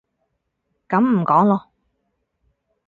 噉唔講囉